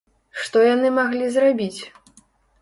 Што яны маглі зрабіць?